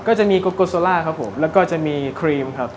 ก็จะมีโกโกโซล่าครับผมแล้วก็จะมีครีมครับ